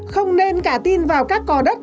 không nên cả tin vào các cỏ đất